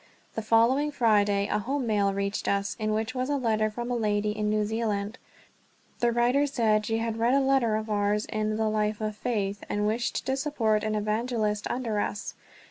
The following Friday a home mail reached us, in which was a letter from a lady in New Zealand. The writer said she had read a letter of ours in The Life of Faith, and wished to support an evangelist under us.